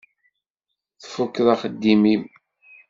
Tfukkeḍ axeddim-im?